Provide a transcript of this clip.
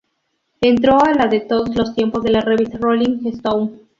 Entró a la de todos los tiempos de la revista "Rolling Stone".